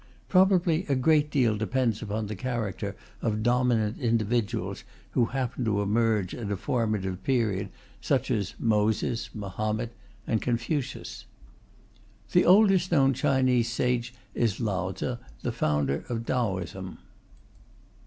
Probably a great deal depends upon the character of dominant individuals who happen to emerge at a formative period, such as Moses, Mahomet, and Confucius. The oldest known Chinese sage is Lao Tze, the founder of Taoism.